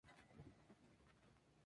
La tapa de El Gráfico reflejó este hecho.